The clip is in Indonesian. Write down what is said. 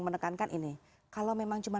menekankan ini kalau memang cuma